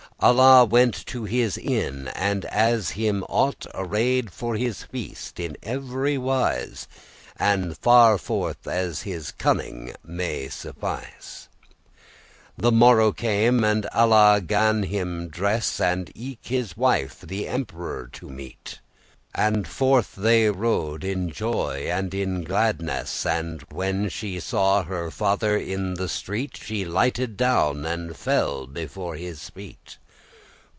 Alla went to his inn, and as him ought Arrayed* for this feast in every wise, *prepared *As farforth as his cunning* may suffice. *as far as his skill* The morrow came, and Alla gan him dress,* *make ready And eke his wife, the emperor to meet: And forth they rode in joy and in gladness, And when she saw her father in the street, She lighted down and fell before his feet.